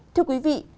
thưa quý vị